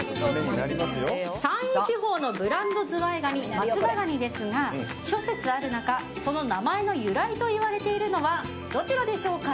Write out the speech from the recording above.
山陰地方のブランドズワイガニ松葉ガニですが諸説ある中その名前の由来といわれているのはどちらでしょう。